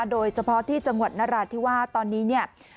โดยเฉพาะที่จังหวัดนราธิวาสตอนนี้เนี่ย